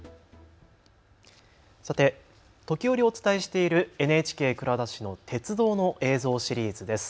さて、時折お伝えしているＮＨＫ蔵出しの鉄道の映像シリーズです。